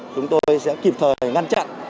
chúng tôi sẽ kịp thời ngăn chặn